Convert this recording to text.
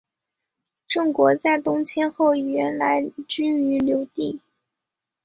郑国在东迁后原来居于留地。